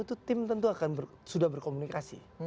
itu tim tentu akan sudah berkomunikasi